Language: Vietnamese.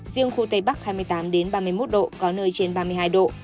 riêng khu tây bắc hai mươi tám ba mươi một độ có nơi trên ba mươi hai độ